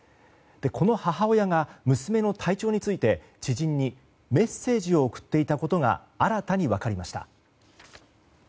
この母親が娘の体調について知人にメッセージを送っていたことが新たに分かりました。